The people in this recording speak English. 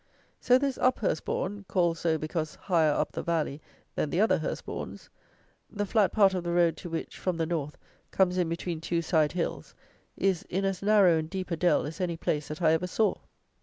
So this Up hurstbourn (called so because higher up the valley than the other Hurstbourns), the flat part of the road to which, from the north, comes in between two side hills, is in as narrow and deep a dell as any place that I ever saw.